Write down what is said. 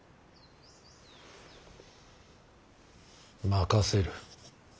任せる。